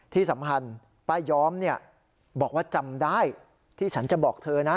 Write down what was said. ที่สำคัญป้าย้อมบอกว่าจำได้ที่ฉันจะบอกเธอนะ